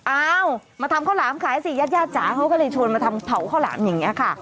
เอามาทำข้าวหลามขายสิญาติญาติจ๋าเขาก็เลยชวนมาทำเผาข้าวหลามอย่างนี้ค่ะ